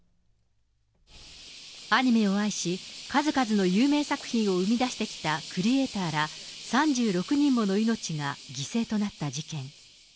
アニメを愛し、数々の有名作品を生み出してきたクリエーターら３６人もの命が犠牲となった事件。